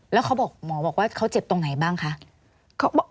แล้วเขาบอกหมอบอกว่าเขาเจ็บตรงไหนบ้างคะ